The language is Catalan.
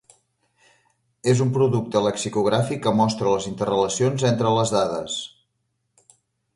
És un producte lexicogràfic que mostra les interrelacions entre les dades.